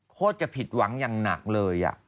จะผิดหวังอย่างหนักเลย